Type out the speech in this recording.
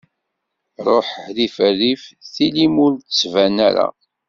Ruḥ rrif rrif, tili-m ur d-ttban ara.